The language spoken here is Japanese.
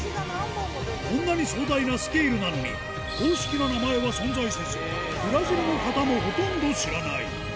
こんなに壮大なスケールなのに、公式な名前は存在せず、ブラジルの方もほとんど知らない。